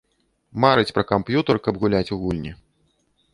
Марыць пра камп'ютар, каб гуляць у гульні.